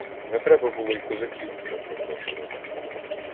Не треба було й козаків дуже припрошувати.